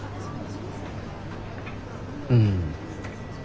うん。